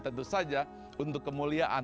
tentu saja untuk kemuliaan